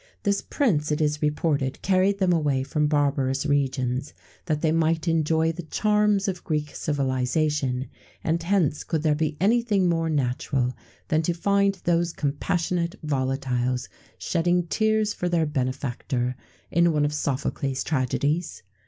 [XVII 103] This Prince, it is reported, carried them away from barbarous regions, that they might enjoy the charms of Greek civilization; and hence could there be anything more natural than to find those compassionate volatiles shedding tears for their benefactor, in one of Sophocles' tragedies?